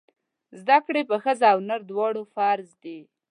زده کړې په ښځه او نر دواړو فرض دی!